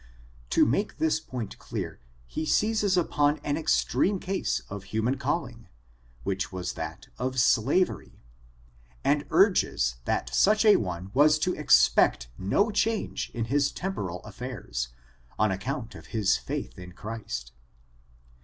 To make this point clear, he seizes npon an extreme case of human calling, which was that of slav^^ry^ and urges that such a one was to expect no change in his temporal affairs, on account of his faith in Christ.